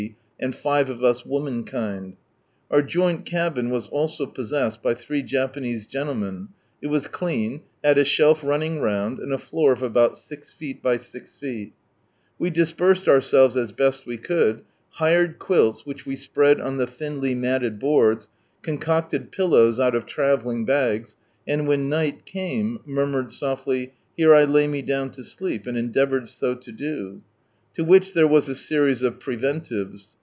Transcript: and five of us woman kind. Our joint cabin was also possessed by three Japanese gentlemen, it was clean, had a shelf running round, and a floor of about 6 ft. x 6. We dispersed ourselves as best we could, hired quilts, which we spread on the thinly matted boards, concocted pillows out of travelling bags, and when night came, murmured softly " Here I lay me down to sleep," and endeavoured so to do To which there was a series of preventives.